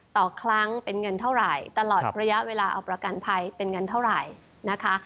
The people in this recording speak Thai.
ต่อครั้งเป็นเงินเท่าไหร่ตลอดระยะเวลาเอาประกันภัยเป็นเงินเท่าไหร่นะคะ